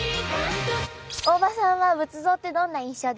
大場さんは仏像ってどんな印象ですか？